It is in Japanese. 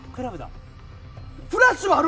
フラッシュがある！